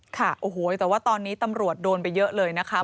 ค่ะโอ้โหแต่ว่าตอนนี้ตำรวจโดนไปเยอะเลยนะคะ